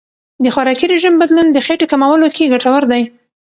د خوراکي رژیم بدلون د خېټې کمولو کې ګټور دی.